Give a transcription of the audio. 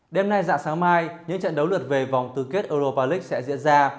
đêm nay dạng sáng mai những trận đấu lượt về vòng tư kết europa league sẽ diễn ra